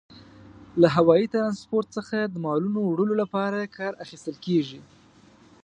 له هوايي ترانسپورت څخه د مالونو وړلو لپاره کار اخیستل کیږي.